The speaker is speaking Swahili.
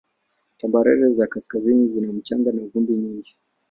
Tambarare za kaskazini zina mchanga na vumbi nyingi.